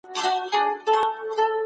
سلطنت